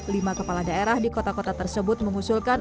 lima kepala daerah di kota kota tersebut mengusulkan